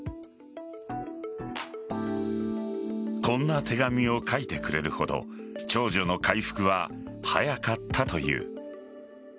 こんな手紙を書いてくれるほど長女の回復は早かったという。